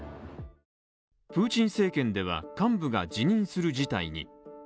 プーチン政権では幹部が辞任する事態に。